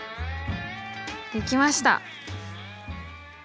できました。